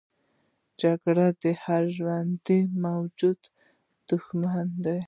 جګړه د هر ژوندي موجود دښمنه ده